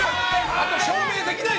あと、証明できない。